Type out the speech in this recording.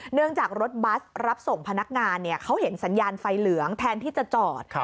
เนื่องจากรถบัสรับส่งพนักงานเขาเห็นสัญญาณไฟเหลืองแทนที่จะจอด